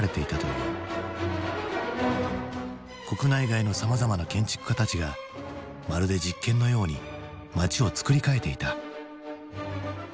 国内外のさまざまな建築家たちがまるで実験のように街をつくり替えていた。